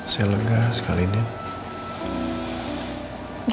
saya lega sekali nih